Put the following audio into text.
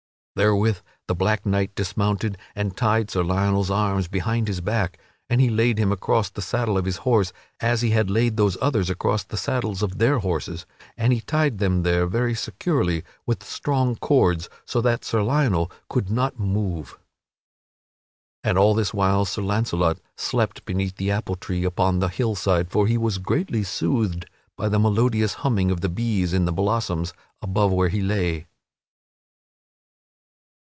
Therewith the black knight dismounted and tied Sir Lionel's arms behind his back and he laid him across the saddle of his horse as he had laid those others across the saddles of their horses; and he tied him there very securely with strong cords so that Sir Lionel could not move. And all this while Sir Launcelot slept beneath the apple tree upon the hillside, for he was greatly soothed by the melodious humming of the bees in the blossoms above where he lay.